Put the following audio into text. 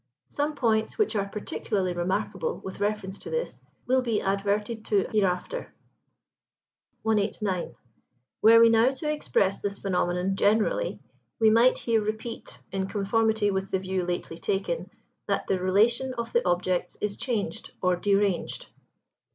Some points, which are particularly remarkable with reference to this, will be adverted to hereafter. 189. Were we now to express this phenomenon generally, we might here repeat, in conformity with the view lately taken, that the relation of the objects is changed or deranged.